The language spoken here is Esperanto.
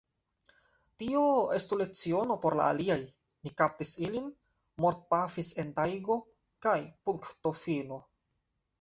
Tio estu leciono por la aliaj: ni kaptis ilin, mortpafis en tajgo, kaj punktofino!